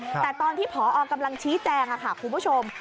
แต่ตอนที่ผอกำลังชี้แจงค่ะคุณผู้ชม